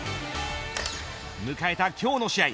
迎えた今日の試合